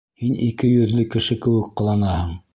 Һин ике йөҙлө кеше кеүек ҡыланаһың.